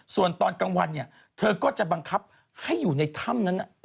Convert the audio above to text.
ส่วนตอนกลางวันเนี่ยเธอก็จะบังคับให้อยู่ในถ้ำนั้น